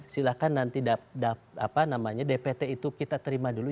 silahkan nanti dpt itu kita terima dulu